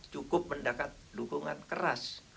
cukup mendapat dukungan keras